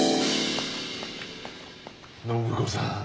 暢子さん